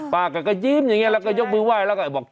ป้าแกก็ยิ้มอย่างนี้แล้วก็ยกมือไหว้แล้วก็บอก